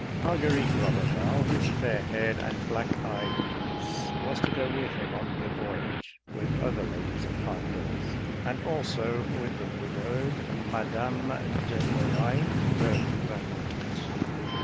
Marguerite Roberval, his fair haired and black eyed niece, was to go with him on the voyage, with other ladies of high birth, and also with the widowed Madame de Noailles, her gouvernante.